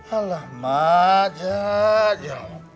alah mak jak